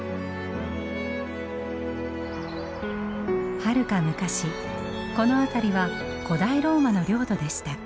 はるか昔この辺りは古代ローマの領土でした。